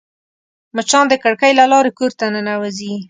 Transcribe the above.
مچان د کړکۍ له لارې کور ته ننوزي